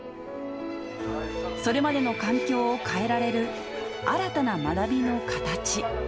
それまでの環境を変えられる、新たな学びの形。